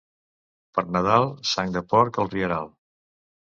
Per Nadal, sang de porc al rieral.